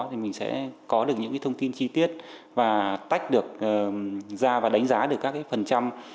thì mình sẽ có được những thông tin chi tiết và tách được ra và đánh giá được các cái phần trăm